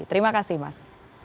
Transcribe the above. terima kasih mas